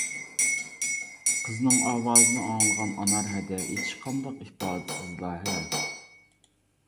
قىزىنىڭ ئاۋازىنى ئاڭلىغان ئانار ھەدە ھېچقانداق ئىپادىسىزلا ھە!